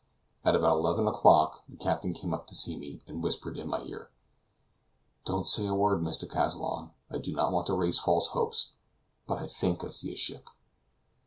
At about eleven o'clock, the captain came up to me, and whispered in my ear: "Don't say a word, Mr. Kazallon; I do not want to raise false hopes, but I think I see a ship."